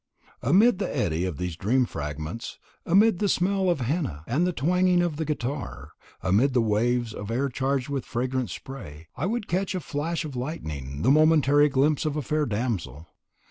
Amid the eddy of these dream fragments, amid the smell of henna and the twanging of the guitar, amid the waves of air charged with fragrant spray, I would catch like a flash of lightning the momentary glimpse of a fair damsel.